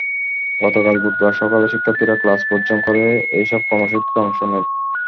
গতকাল বুধবার সকালে শিক্ষার্থীরা ক্লাস বর্জন করে এসব কর্মসূচিতে অংশ নেন।